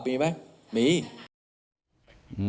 พลับมีไหมอยู่